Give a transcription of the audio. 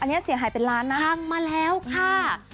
อันนี้เสียหายเป็นล้านนะพังมาแล้วค่ะ